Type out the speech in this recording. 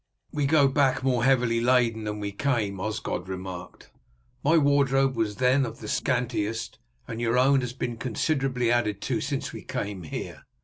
"We go back more heavily laden than we came," Osgod remarked. "My wardrobe was then of the scantiest, and your own has been considerably added to since we came here.